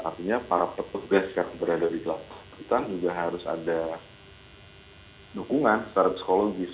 artinya para petugas yang berada di dalam hutan juga harus ada dukungan secara psikologis